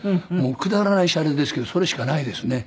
くだらないシャレですけどそれしかないですね。